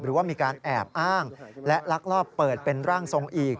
หรือว่ามีการแอบอ้างและลักลอบเปิดเป็นร่างทรงอีก